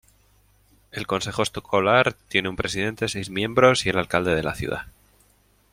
El consejo escolar tiene un presidente, seis miembros, y el alcalde de la ciudad.